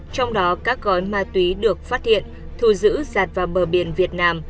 trong đó các gói ma túy được phát hiện thu giữ giạt vào bờ biển việt nam